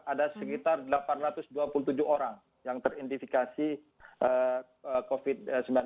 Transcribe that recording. ada sekitar delapan ratus dua puluh tujuh orang yang teridentifikasi covid sembilan belas